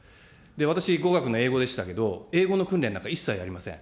私、語学は英語でしたけれども、英語の訓練なんか一切ありません。